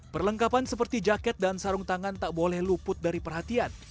perlengkapan seperti jaket dan sarung tangan tak boleh luput dari perhatian